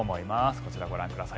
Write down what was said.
こちら、ご覧ください。